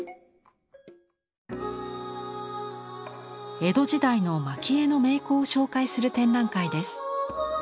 江戸時代の蒔絵の名工を紹介する展覧会です。